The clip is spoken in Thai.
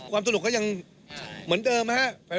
ความสนุกก็ยังเหมือนเดิมนะครับ